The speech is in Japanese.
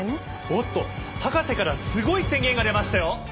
おっと博士からすごい宣言が出ましたよ！